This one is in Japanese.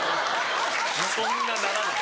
そんなならない。